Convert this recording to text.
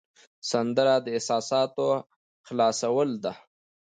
سندره د احساساتو خلاصول ده